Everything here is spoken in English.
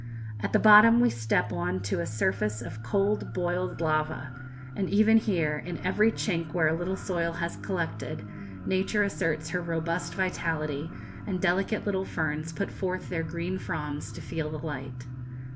At the bottom we step on to a surface of cold boiled lava, and even here, in every chink where a little soil has collected, Nature asserts her robust vitality, and delicate little ferns put forth their green fronds to feel the light.